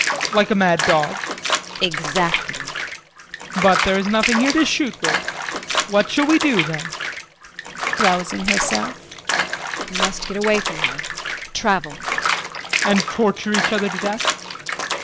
Like a mad dog? JULIE. Exactly! JEAN. But there is nothing here to shoot with. What shall we do then? JULIE [Rousing herself].We must get away from here travel. JEAN. And torture each other to death?